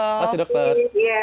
terima kasih dokter